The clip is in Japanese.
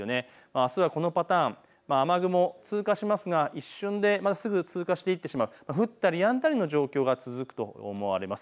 あすはこのパターン、雨雲通過しますが一瞬で、すぐ通過していってしまう、降ったりやんだりの状況が続くと思われます。